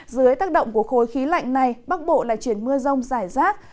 dưới tác động của khối khí lạnh này bắc bộ lại chuyển mưa rông rải rác